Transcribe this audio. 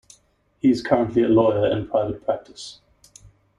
He is currently a lawyer in private practice.